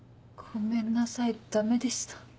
ごめんなさいダメでした。